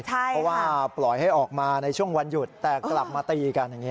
เพราะว่าปล่อยให้ออกมาในช่วงวันหยุดแต่กลับมาตีกันอย่างนี้